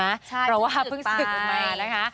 ใช่เพราะว่าเพิ่งสึกออกมาแล้วค่ะ